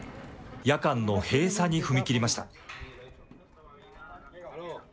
夜間の閉鎖に踏み切りました。